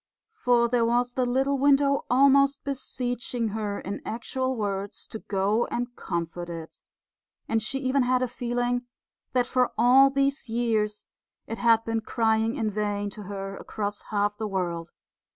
For there was the little window almost beseeching her in actual words to go and comfort it; and she even had a feeling that for all these years it had been crying in vain to her across half the world.